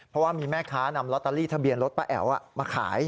เพราะว่ามีแม่ค้านำลอตเตอรี่ทะเบียนรถป้าแอ๋วมาขาย